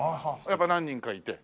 やっぱ何人かいて。